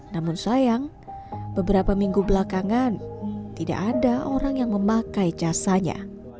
namun sayang beberapa minggu belakangan tidak ada orang yang memakai jasanya